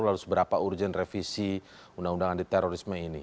lalu seberapa urgen revisi undang undang anti terorisme ini